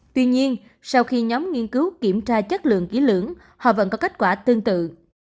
tuy nhiên sau khi nhóm nghiên cứu kiểm tra chất lượng ký lưỡng họ vẫn có kết quả tương tự